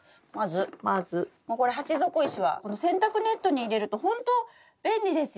まずもうこれ鉢底石はこの洗濯ネットに入れるとほんと便利ですよね。